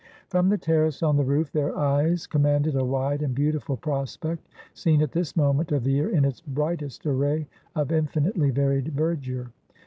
From the terrace on the roof, their eyes commanded a wide and beautiful prospect, seen at this moment of the year in its brightest array of infinitely varied verdure.